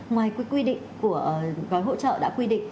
ngoài quy định của gói hỗ trợ đã quy định